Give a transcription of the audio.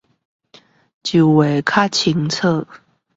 就會清楚點